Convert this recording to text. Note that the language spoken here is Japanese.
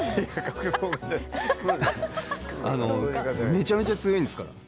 めちゃめちゃ強いんですから。